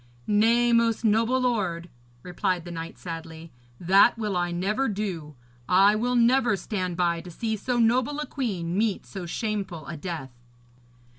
'Nay, most noble lord,' replied the knight sadly, 'that will I never do. I will never stand by to see so noble a queen meet so shameful a death.'